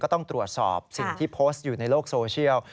ต้องตรวจสอบสิ่งที่โพสต์อยู่ในโลกโซเชียล